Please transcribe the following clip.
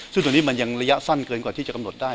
ซึ่งตรงนี้มันยังระยะสั้นเกินกว่าที่จะกำหนดได้